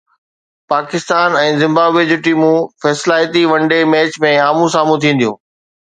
Pakistan ۽ Zimbabwe جون ٽيمون فيصلائتي ون ڊي ميچ ۾ آمهون سامهون ٿينديون